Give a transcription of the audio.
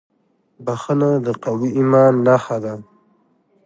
• بښنه د قوي ایمان نښه ده.